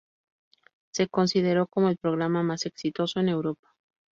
Se consideró como el programa más exitoso en Europa.